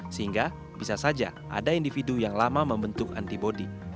sehingga bisa saja ada individu yang lama membentuk antibody